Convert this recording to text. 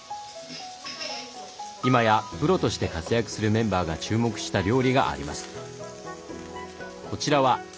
今やプロとして活躍するメンバーが注目した料理があります。